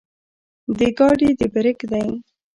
د ګاډي د برېک دے